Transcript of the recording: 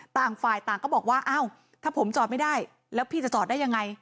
ต่างฝ่ายต่างก็บอกว่าอ้าวถ้าผมจอดไม่ได้แล้วพี่จะจอดได้ยังไง